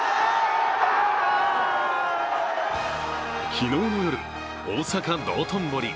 昨日の夜、大阪・道頓堀。